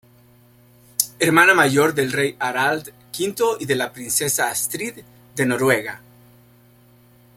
Hermana mayor del rey Harald V y de la princesa Astrid de Noruega.